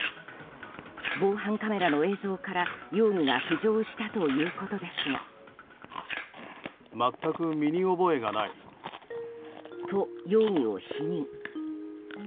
防犯カメラの映像から容疑が浮上したということですが。と容疑を否認。